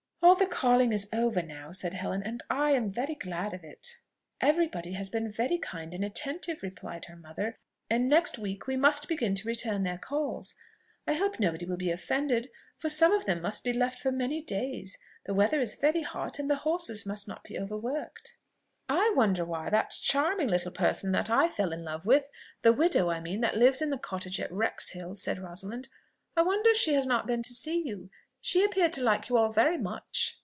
"All the calling is over now," said Helen, "and I am very glad of it." "Every body has been very kind and attentive," replied her mother, "and next week we must begin to return their calls. I hope nobody will be offended, for some of them must be left for many days; the weather is very hot, and the horses must not be overworked." "I wonder why that charming little person that I fell in love with the widow, I mean, that lives in the Cottage at Wrexhill," said Rosalind, "I wonder she has not been to see you! She appeared to like you all very much."